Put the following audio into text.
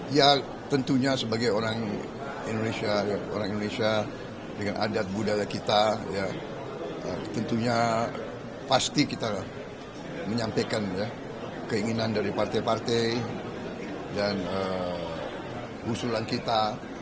ya tentunya sebagai orang indonesia orang indonesia dengan adat budaya kita tentunya pasti kita menyampaikan keinginan dari partai partai dan usulan kita